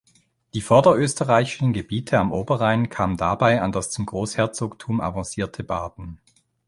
Die vorderösterreichischen Gebiete am Oberrhein kamen dabei an das zum Großherzogtum avancierte Baden.